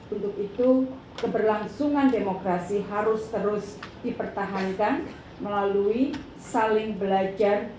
untuk itu keberlangsungan demokrasi harus terus dipertahankan melalui saling belajar